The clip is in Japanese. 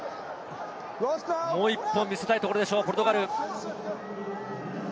もう１本見せたいところでしょう、ポルトガル。